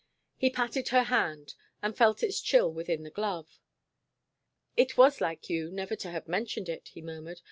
He patted her hand, and felt its chill within the glove. "It was like you never to have mentioned it," he murmured.